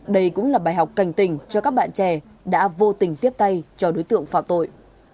đây cũng là bài học cảnh tình cho các bạn trẻ đã vô tình tiếp tay cho đối tượng phạm tội